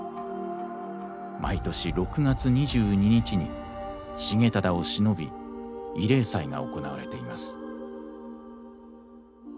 毎年６月２２日に重忠をしのび慰霊祭が行われています。